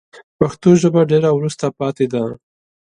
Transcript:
پښتو ژبه ډېره وروسته پاته ده